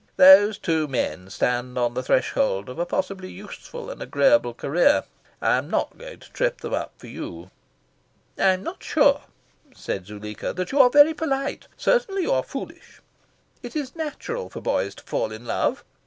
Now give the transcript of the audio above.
Those two men stand on the threshold of a possibly useful and agreeable career. I am not going to trip them up for you." "I am not sure," said Zuleika, "that you are very polite. Certainly you are foolish. It is natural for boys to fall in love.